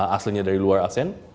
aslinya dari luar asean